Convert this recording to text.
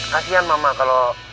kasian mama kalau